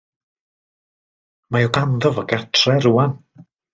Mae o ganddo fo gartre rŵan.